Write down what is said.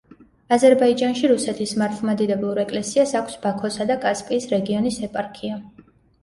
აზერბაიჯანში რუსეთის მართლმადიდებლურ ეკლესიას აქვს ბაქოსა და კასპიის რეგიონის ეპარქია.